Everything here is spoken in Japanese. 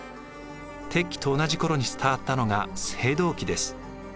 鉄器と同じ頃に伝わったのが青銅器です。